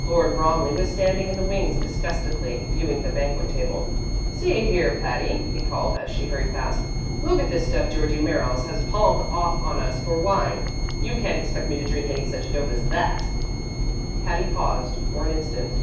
Lord Bromley was standing in the wings disgustedly viewing the banquet table. "See here, Patty," he called as she hurried past. "Look at this stuff Georgie Merriles has palmed off on us for wine. You can't expect me to drink any such dope as that." Patty paused for an instant.